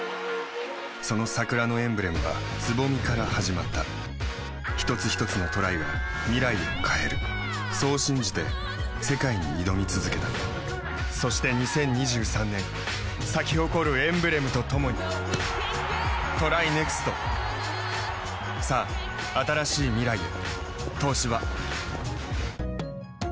その桜のエンブレムは蕾から始まった一つひとつのトライが未来を変えるそう信じて世界に挑み続けたそして２０２３年咲き誇るエンブレムとともにＴＲＹＮＥＸＴさあ、新しい未来へ。